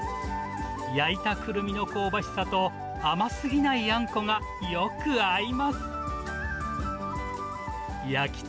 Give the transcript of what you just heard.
焼いたくるみの香ばしさと甘すぎないあんこが、よく合います。